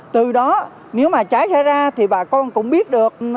từ đó nếu mà cháy xảy ra thì bà con cũng biết được